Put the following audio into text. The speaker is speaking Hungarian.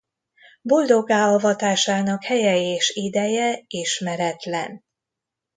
Boldoggá avatásának helye és ideje ismeretlen.